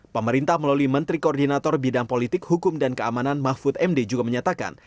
pemerintah melalui menteri koordinator bidang politik hukum dan keamanan mahfud md juga menyatakan